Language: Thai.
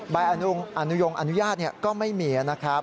ใบอนุยมอนุญาตก็ไม่มี